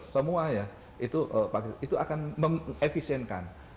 semua ya itu akan mengefisienkan